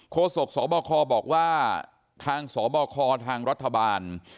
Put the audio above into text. โศกสบคบอกว่าทางสบคทางรัฐบาล